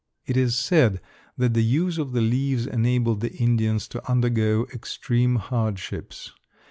It is said that the use of the leaves enabled the Indians to undergo extreme hardships.